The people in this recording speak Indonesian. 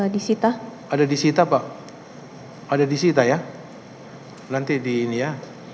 disita ada disita pak ada disita ya nanti di ini ya